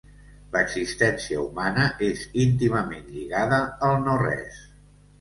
L'existència humana és íntimament lligada al no-res.